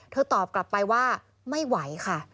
ตอบกลับไปว่าไม่ไหวค่ะ